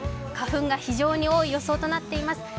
花粉が非常に多い予想となっています。